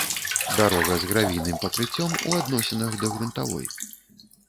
дарога з гравійным пакрыццём у адносінах да грунтавой